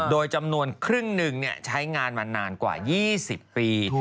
โดยจำนวนครึ่งหนึ่งใช้งานมานานกว่า๒๐ปี